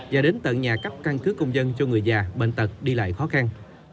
và đến tận nhà cấp căn cứ công dân cho người già bệnh tật đi lại khó khăn